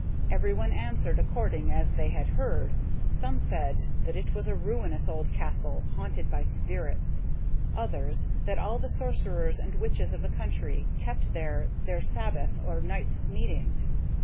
Everyone answered according as they had heard. Some said: That it was a ruinous old castle, haunted by spirits. Others, That all the sorcerers and witches of the country kept there their sabbath or night's meeting.